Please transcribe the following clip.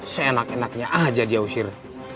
seenak enaknya aja dia usir